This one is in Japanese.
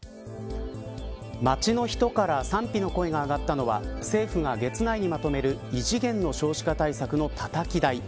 街の人から賛否の声が上がったのは政府が月内にまとめる異次元の少子化対策のたたき台。